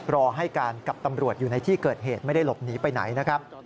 รอให้การกับตำรวจอยู่ในที่เกิดเหตุไม่ได้หลบหนีไปไหนนะครับ